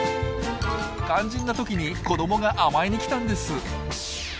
肝心な時に子どもが甘えに来たんです。